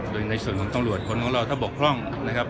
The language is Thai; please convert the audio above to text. โดยในส่วนของตำรวจคนของเราถ้าบกพร่องนะครับ